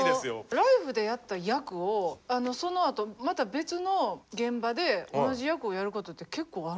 「ＬＩＦＥ！」でやった役をそのあとまた別の現場で同じ役をやることって結構あるんですよ。